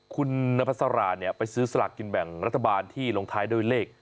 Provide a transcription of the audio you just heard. คุณนพัสราไปซื้อสลากกินแบ่งรัฐบาลที่ลงท้ายด้วยเลข